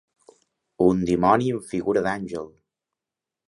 Un dimoni en figura d'àngel.